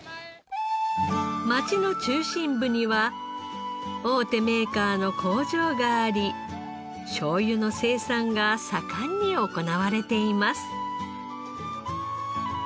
町の中心部には大手メーカーの工場がありしょうゆの生産が盛んに行われています。